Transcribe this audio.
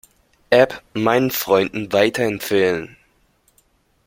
App meinen Freunden weiterempfehlen.